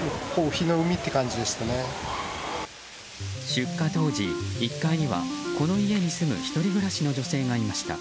出火当時、１階にはこの家に住む１人暮らしの女性がいました。